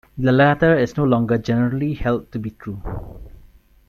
The latter is no longer generally held to be true.